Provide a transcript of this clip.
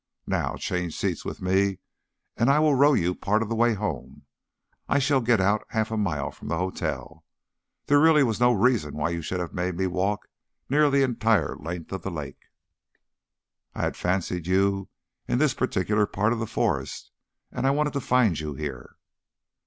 Now, change seats with me and I will row you part of the way home; I shall get out a half mile from the hotel. There really was no reason why you should have made me walk nearly the entire length of the lake." "I had fancied you in this particular part of the forest, and I wanted to find you here."